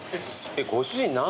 ご主人何歳？